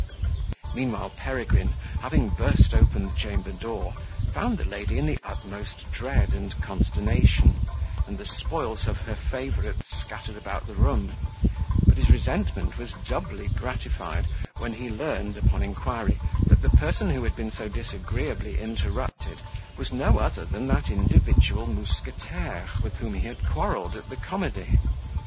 Meanwhile Peregrine, having burst open the chamber door, found the lady in the utmost dread and consternation, and the spoils of her favourite scattered about the room; but his resentment was doubly gratified, when he learned, upon inquiry, that the person who had been so disagreeably interrupted was no other than that individual mousquetaire with whom he had quarrelled at the comedy.